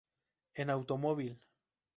En automóvil.